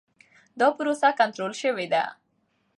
دا پروسه کنټرول شوې ده.